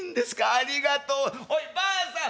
ありがとう。おいばあさん！